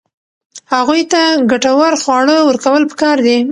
هغوی ته ګټور خواړه ورکول پکار دي.